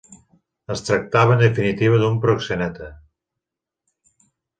Es tractava en definitiva d'un proxeneta.